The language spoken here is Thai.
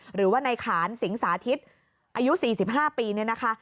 หรือว่าในขานสิงสาธิตอายุ๔๕ปีเนี่ยนะคะ